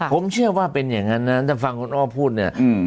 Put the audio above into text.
ผมเชื่อว่าเป็นอย่างนั้นนะถ้าฟังคุณอ้อพูดเนี่ย